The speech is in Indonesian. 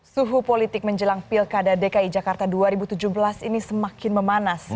suhu politik menjelang pilkada dki jakarta dua ribu tujuh belas ini semakin memanas